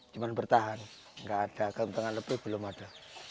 cuma bertahan nggak ada keuntungan lebih belum ada